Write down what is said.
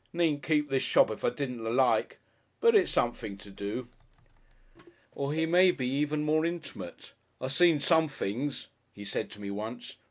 Needn't keep this shop if I didn't like. But it's something to do."... Or he may be even more intimate. "I seen some things," he said to me once.